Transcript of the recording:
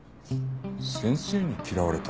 先生に嫌われた？